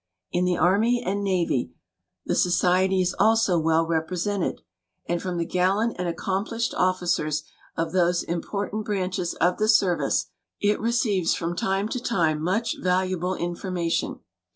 In the Army and Navy the Society is also well represented, and from the gallant and accomplished ofificers of those important branches of the service it receives from time to time much valuable information.